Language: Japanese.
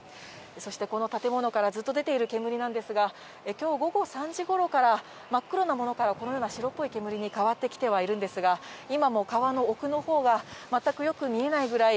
そしてこの建物からずっと出ている煙なんですが、きょう午後３時ごろから、真っ黒なものからこのような白っぽい煙に変わってきてはいるんですが、今も川の奥のほうが、全くよく見えないぐらい